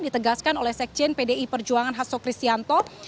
ditegaskan oleh sekjen pdi perjuangan hasso kristian